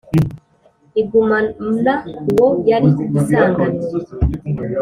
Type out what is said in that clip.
igumana uwo yari isanganywe.